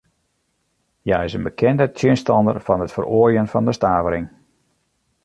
Hja is in bekende tsjinstanster fan it feroarjen fan de stavering.